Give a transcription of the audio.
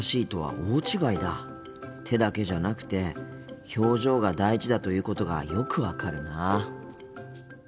手だけじゃなくて表情が大事だということがよく分かるな。